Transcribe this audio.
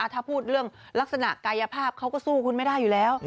ถ้าพูดเรื่องลักษณะกายภาพเขาก็สู้คุณไม่ได้อยู่แล้ว